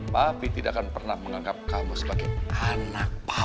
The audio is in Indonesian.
papi tidak akan pernah menganggap kamu sebagai anak papa